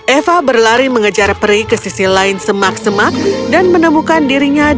eva berlari mengejar peri ke sisi lain semak semak dan menemukan dirinya di